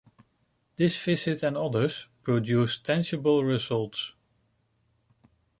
This visit and others produced tangible results.